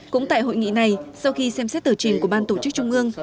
cũng tại hội nghị này sau khi xem xét tờ trình của ban tổ chức trung ương